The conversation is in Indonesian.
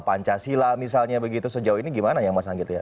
pancasila misalnya begitu sejauh ini gimana ya mas anggit ya